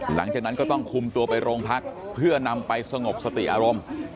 หลังจากนั้นก็ต้องคุมตัวไปโรงพักเพื่อนำไปสงบสติอารมณ์